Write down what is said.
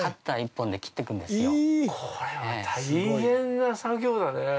これは大変な作業だね。